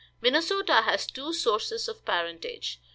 Minnesota has two sources of parentage.